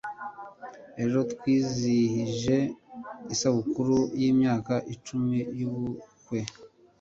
ejo twizihije isabukuru yimyaka icumi yubukwe